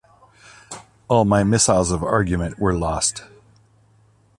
All my missiles of argument were lost.